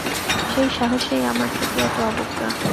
সেই সাহসেই আমার প্রতি এত অবজ্ঞা!